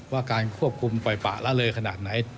ว่าการควบคุมปล่อยป่าละเลยขนาดไหน